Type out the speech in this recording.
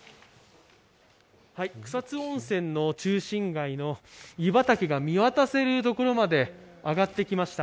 草津温泉の中心街の湯畑が見渡せるところまで上がってきました。